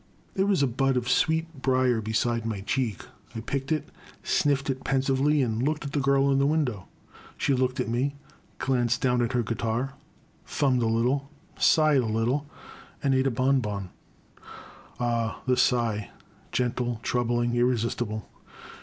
There was a bud of sweet brier beside my cheek. I picked it, sniffed it pensively, and looked at the girl in the window. She looked at me, glanced down at her guitar, thrummed a little, sighed a little, and ate a bon bon. Ah, that sigh !— gentle, troubling, irresistible.